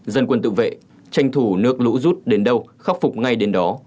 dân quân tự vệ tranh thủ nước lũ rút đến đâu khắc phục ngay đến đó